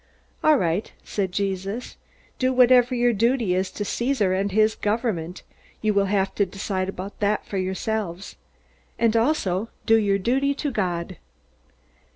"All right," said Jesus, "do whatever your duty is to Caesar and his government. You will have to decide about that for yourselves. And also do your duty to God!"